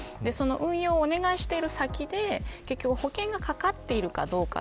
運用をお願いしている先で保険がかかっているかどうか。